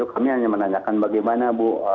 kami hanya menanyakan bagaimana